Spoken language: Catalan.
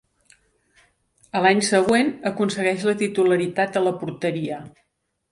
A l'any següent aconsegueix la titularitat a la porteria.